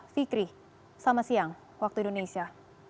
fikri selamat siang waktu indonesia